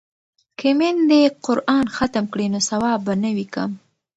که میندې قران ختم کړي نو ثواب به نه وي کم.